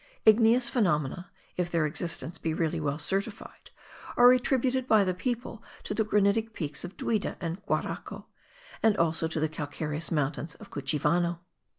Igneous phenomena (if their existence be really well certified) are attributed by the people to the granitic peaks of Duida and Guaraco, and also to the calcareous mountain of Cuchivano.